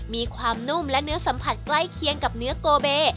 มีความนุ่มและเนื้อสัมผัสใกล้เคียงกับเนื้อโกเบ